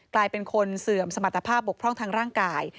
กลายเป็นคนเสื่อมสมรรถภาพบกพร่องทางร่างกาย